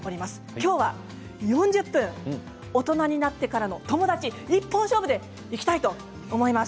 今日は４０分大人になってからの友達一本勝負でいきたいと思います。